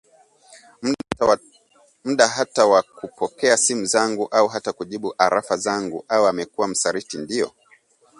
muda hata wakupokea simu zangu au hata kujibu arafa zangu Au amekuwa msaliti ndio